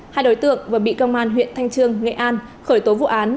hai đối tượng vừa bị công an huyện thanh trương nghệ an khởi tố vụ án